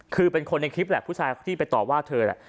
คือเป็นคนในคลิปแหละผู้ชายที่ไปต่อว่าเธอแหละ